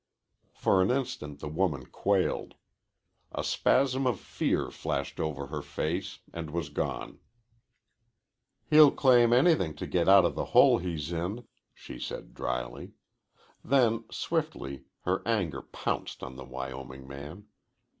For an instant the woman quailed. A spasm of fear flashed over her face and was gone. "He'll claim anything to get outa the hole he's in," she said dryly. Then, swiftly, her anger pounced on the Wyoming man.